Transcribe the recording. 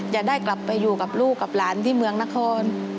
จะได้กลับไปอยู่กับลูกกับหลานที่เมืองนคร